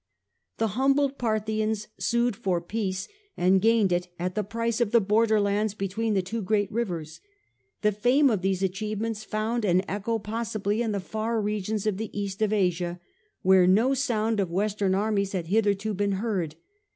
The humbled Parthians sued for peace, and gained it at the price of the border lands between the two great rivers. The fame of these achievements found an echo possibly in the far regions of the east of Asia, where no sound of western armies had hitherto been heard.